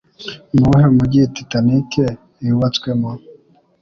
Nuwuhe mujyi Titanic yubatswe mo?